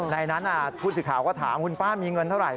ในนั้นอ่ะอุตส่าห์ก็ถามคุณป้ามีเงินเท่าไหร่